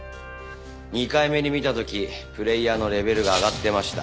２回目に見た時プレーヤーのレベルが上がってました。